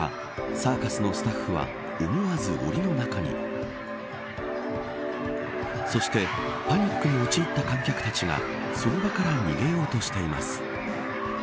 サーカスのスタッフは思わず檻の中にそしてパニックに陥った観客たちがその場から逃げようとしています。